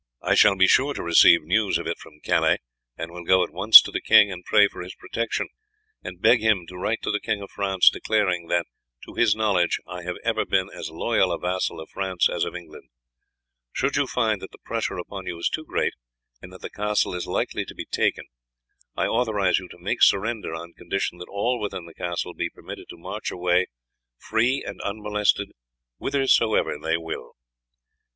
I shall be sure to receive news of it from Calais, and will go at once to the king and pray for his protection, and beg him to write to the King of France declaring that, to his knowledge, I have ever been as loyal a vassal of France as of England. Should you find that the pressure upon you is too great, and that the castle is like to be taken, I authorize you to make surrender on condition that all within the castle are permitted to march away free and unmolested whithersoever they will."